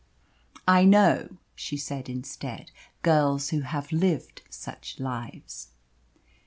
"I know," she said instead, "girls who have lived such lives."